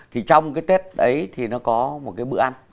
thì trong cái tết ấy thì nó có một cái bữa ăn